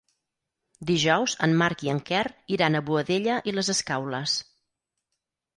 Dijous en Marc i en Quer iran a Boadella i les Escaules.